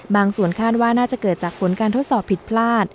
ส่วนคาดว่าน่าจะเกิดจากผลการทดสอบผิดพลาด